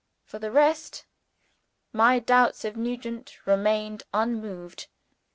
For the rest, my doubts of Nugent remained unmoved.